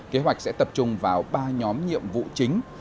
kế hoạch sẽ tập trung vào ba nhóm nhiệm vụ chính